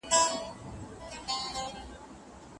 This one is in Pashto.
چې د وجود له آخرې رگه وتلي شراب